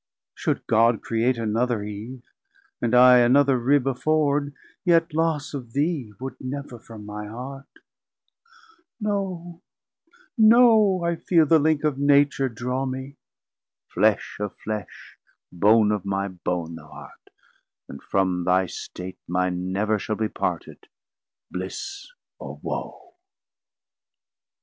910 Should God create another Eve, and I Another Rib afford, yet loss of thee Would never from my heart; no no, I feel The Link of Nature draw me: Flesh of Flesh, Bone of my Bone thou art, and from thy State Mine never shall be parted, bliss or woe.